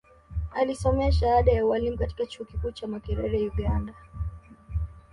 Alisomea shahada ya Ualimu katika Chuo Kikuu cha Makerere Uganda